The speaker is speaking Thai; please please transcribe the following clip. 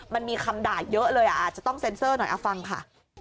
มันมีคำด่าเยอะเลยอาจจะต้องเซ็นเซอร์หน่อยเอาฟังค่ะ